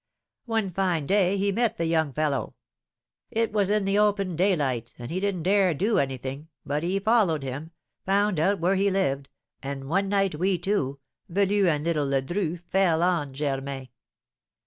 One fine day he met the young fellow; it was in the open daylight, and he didn't dare do anything, but he followed him, found out where he lived, and one night we two, Velu and little Ledru, fell on Germain.